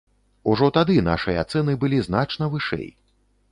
Ужо тады нашыя цэны былі значна вышэй.